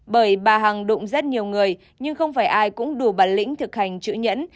bởi bà hằng đụng rất nhiều người nhưng không phải ai cũng đủ bản lĩnh thực hành chữ nhẫn